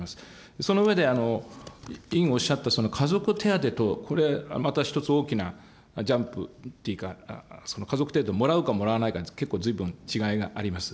その上で、委員おっしゃった、その家族手当とこれ、また一つ、大きなジャンプというか、その家族手当をもらうかもらわないかで結構ずいぶん違いがあります。